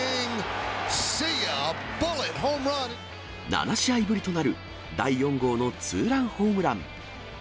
７試合ぶりとなる第４号のツーランホームラン。